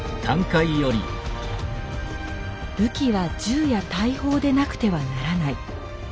「武器は銃や大砲でなくてはならない。